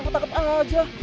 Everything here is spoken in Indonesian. kita tangkap tangkap aja